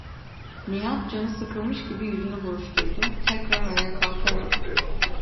Nihat canı sıkılmış gibi yüzünü buruşturdu, tekrar ayağa kalkarak: